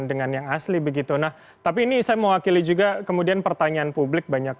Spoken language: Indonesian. dengan yang asli begitu nah tapi ini saya mewakili juga kemudian pertanyaan publik banyak